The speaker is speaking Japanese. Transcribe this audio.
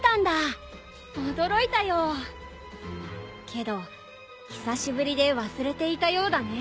けど久しぶりで忘れていたようだね。